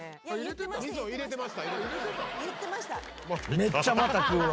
めっちゃまた食うわ。